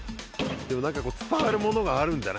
でも、伝わるものがあるんじゃない？